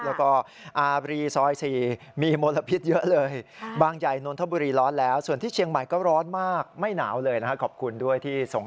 แล้วก็อาบรีซอย๔มีมลพิษเยอะเลย